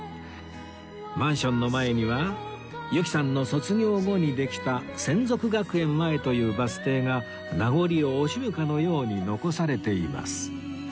マンションの前には由紀さんの卒業後にできた「洗足学園前」というバス停が名残を惜しむかのように残されています